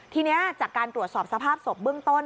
ทีนี้จากการตรวจสอบสภาพศพเบื้องต้น